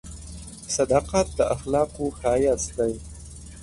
• صداقت د اخلاقو ښایست دی.